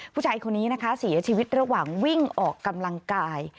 ผู้ชายคนนี้นะคะเสียชีวิตระหว่างวิ่งออกกำลังกาย